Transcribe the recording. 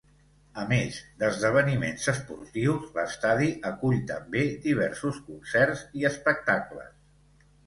A més d'esdeveniments esportius, l'estadi acull també diversos concerts i espectacles.